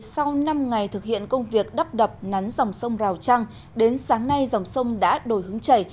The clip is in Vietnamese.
sau năm ngày thực hiện công việc đắp đập nắn dòng sông rào trăng đến sáng nay dòng sông đã đổi hướng chảy